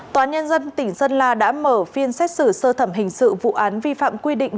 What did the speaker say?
tòa án nhân dân tỉnh sơn la đã mở phiên xét xử sơ thẩm hình sự vụ án vi phạm quy định